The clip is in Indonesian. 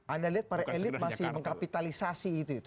anda lihat para elit masih mengkapitalisasi itu